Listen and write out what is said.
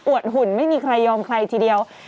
หุ่นไม่มีใครยอมใครทีเดียว